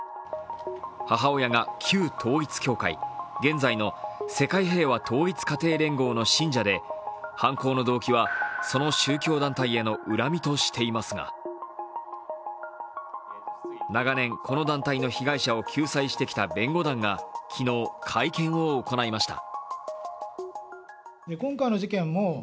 母親が、旧統一教会、現在の世界平和統一家庭連合の信者で犯行の動機は、その宗教団体への恨みとしていますが、長年、この団体の被害者を救済してきた弁護団が昨日、会見を行いました。